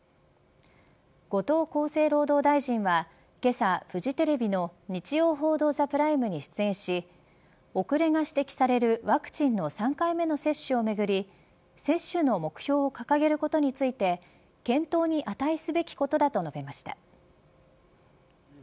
後藤厚生労働大臣はけさフジテレビの日曜報道ＴＨＥＰＲＩＭＥに出演し遅れが指摘されるワクチンの３回目の接種をめぐり接種の目標を掲げることについて検討に値すべきことだと述べました。